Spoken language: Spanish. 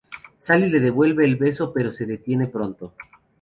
Sally le devuelve el beso pero se detiene pronto.